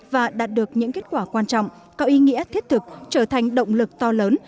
và đạt được những kết quả quan trọng có ý nghĩa thiết thực trở thành động lực to lớn